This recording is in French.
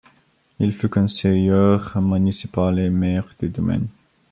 Il fut conseilleur municipal et maire de Domène.